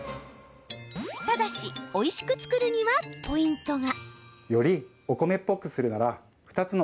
ただし、おいしく作るにはポイントが。